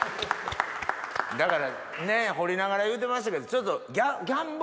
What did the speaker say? だから掘りながら言うてましたけどちょっと。